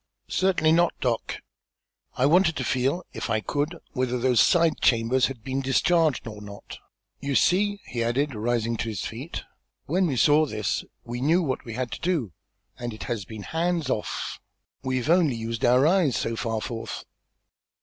"Certainly not, Doc. I wanted to feel, if I could, whether those side chambers had been discharged or not. You see," he added, rising to his feet, "when we saw this, we knew what we had to do, and it has been 'hands off.' We've only used our eyes so far forth."